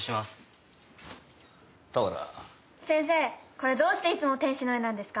これどうしていつも天使の絵なんですか？